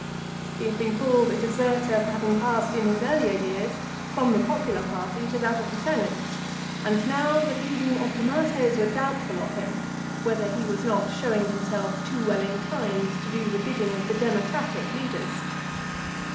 He had been called a deserter for having passed in his earlier years from the popular party to that of the Senate, and now the leading optimates were doubtful of him, whether he was not showing himself too well inclined to do the bidding of the democratic leaders.